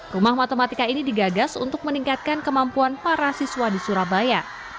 rumah matematika ini digagas untuk meningkatkan kemampuan para siswa di surabaya